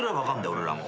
俺らも。